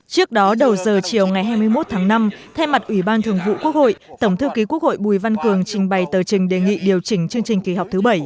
trước đó đầu giờ chiều ngày hai mươi một tháng năm thay mặt ủy ban thường vụ quốc hội tổng thư ký quốc hội bùi văn cường trình bày tờ trình đề nghị điều chỉnh chương trình kỳ họp thứ bảy